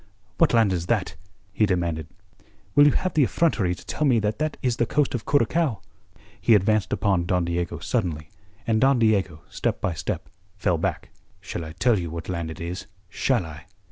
"What land is that?" he demanded. "Will you have the effrontery to tell me that is the coast of Curacao?" He advanced upon Don Diego suddenly, and Don Diego, step by step, fell back. "Shall I tell you what land it is? Shall I?"